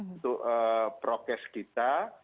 untuk prokes kita